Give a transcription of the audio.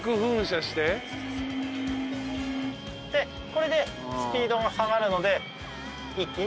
これでスピードが下がるので。